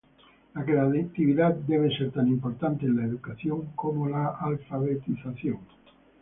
La creatividad debe ser tan importante en la educación como la alfabetización.